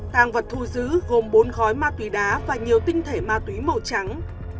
tàng vật thu giữ gồm bốn gói ma túy đá và nhiều tinh thể ma túy màu trắng